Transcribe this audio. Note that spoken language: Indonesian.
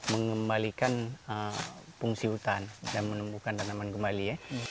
mengembalikan fungsi hutan dan menemukan tanaman kembali